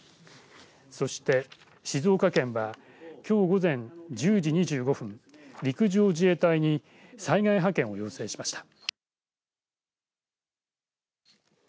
そして静岡県はきょう午前１０時２５分、陸上自衛隊に災害派遣を要請しました。